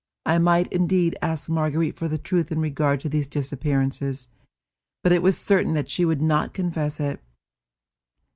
I might indeed ask Marguerite for the truth in regard to these disappearances, but it was certain that she would not confess it.